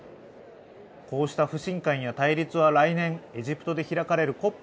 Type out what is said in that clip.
こうした不信感や対立は来年エジプトで開かれるＣＯＰ